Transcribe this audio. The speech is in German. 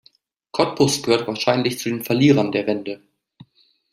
Cottbus gehört wahrscheinlich zu den Verlierern der Wende.